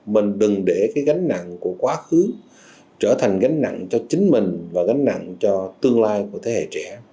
mình đừng để cái gánh nặng của quá khứ trở thành gánh nặng cho chính mình và gánh nặng cho tương lai của thế hệ trẻ